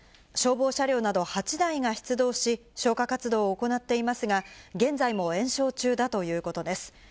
消防車両など８台が出動し、消火活動を行っていますが、現在も延焼中だということです。